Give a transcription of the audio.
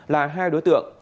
là hai đối tượng